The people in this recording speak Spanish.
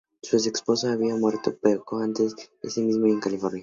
Jean Renoir, su ex-esposo, había muerto poco antes ese mismo año en California.